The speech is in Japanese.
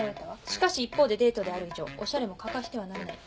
しかし一方でデートである以上おしゃれも欠かしてはならない。